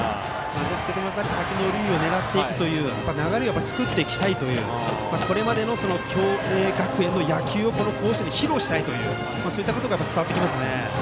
ですが先の塁を狙って流れを作っていきたいというこれまでの共栄学園の野球をこの甲子園で披露したいというのがそういったことが伝わってきますね。